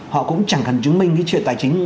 họ cũng chẳng cần chứng minh cái chuyện tài chính